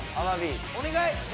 お願い